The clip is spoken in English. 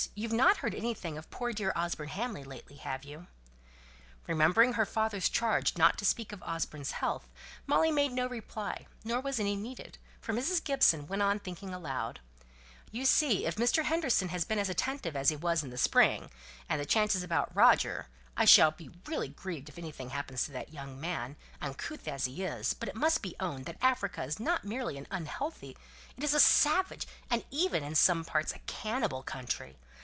You've not heard anything of poor dear Osborne Hamley lately, have you?" Remembering her father's charge not to speak of Osborne's health, Molly made no reply, nor was any needed, for Mrs. Gibson went on thinking aloud "You see, if Mr. Henderson has been as attentive as he was in the spring and the chances about Roger I shall be really grieved if anything happens to that young man, uncouth as he is, but it must be owned that Africa is not merely an unhealthy it is a savage and even in some parts a cannibal country.